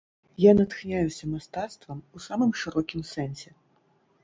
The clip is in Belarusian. Я натхняюся мастацтвам у самым шырокім сэнсе.